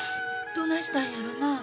どないしたんやろな。